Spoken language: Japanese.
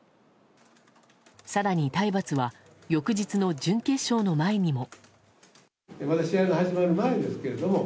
更に体罰は翌日の準決勝の前にも。